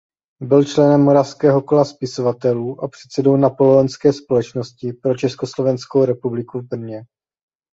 Byl členem Moravského kola spisovatelů a předsedou Napoleonské společnosti pro Československou republiku v Brně.